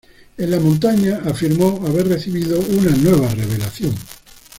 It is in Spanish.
En la montaña, afirmó haber recibido una nueva revelación.